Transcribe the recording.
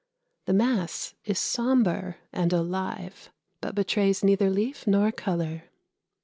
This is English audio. The mass is sombre and alive, but betrays neither leaf nor colour.